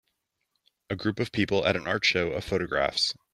A group of people at an art show of photographs